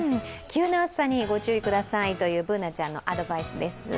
急な暑さに御注意くださいというＢｏｏｎａちゃんのアドバイスです。